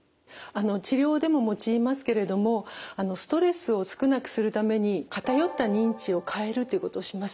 治療でも用いますけれどもストレスを少なくするために偏った認知を変えるということをします。